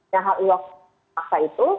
yang hal hal memaksa itu